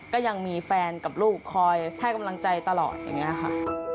ก็ยังมีแฟนกับลูกคอยให้กำลังใจตลอดอย่างนี้ค่ะ